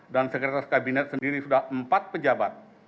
dan sekretaris kabinet sendiri sudah empat pejabat